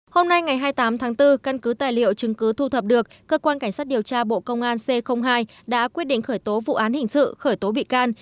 hôm nay ngày hai mươi tám tháng bốn căn cứ tài liệu chứng cứ thu thập được cơ quan cảnh sát điều tra bộ công an c hai đã quyết định khởi tố vụ án hình sự khởi tố bị can